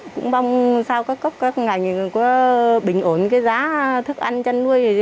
cũng mong sao các ngành có bình ổn cái giá thức ăn chăn nuôi